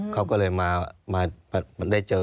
เขาก็เลยมาได้เจอ